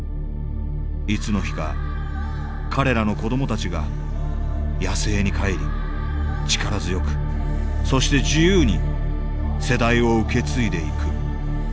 いつの日か彼らの子どもたちが野生に帰り力強くそして自由に世代を受け継いでいく。